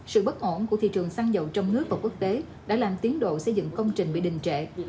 sự bất ổn của thị trường xăng dầu trong nước và quốc tế đã làm tiến độ xây dựng công trình bị đình trệ